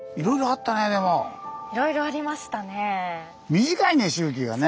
短いね周期がね。